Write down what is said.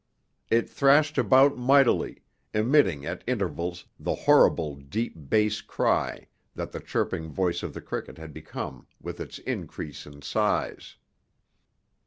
It thrashed about mightily, emitting at intervals the horrible, deep bass cry that the chirping voice of the cricket had become with its increase in size.